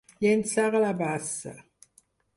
Llençar a la bassa.